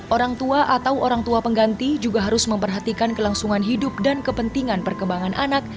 orang tua atau orang tua pengganti juga harus memperhatikan kelangsungan hidup dan kepentingan perkembangan anak